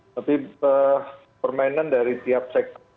tapi permainan dari tiap sektor